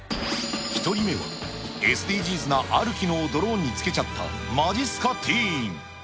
１人目は、ＳＤＧｓなある機能をドローンにつけちゃったまじっすかティーン。